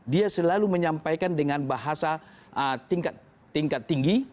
dia selalu menyampaikan dengan bahasa tingkat tinggi